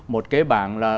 một cái bảng là